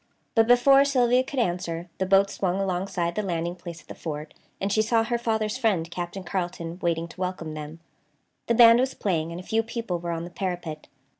But before Sylvia could answer, the boat swung alongside the landing place at the fort and she saw her father's friend, Captain Carleton, waiting to welcome them. The band was playing, and a few people were on the parapet.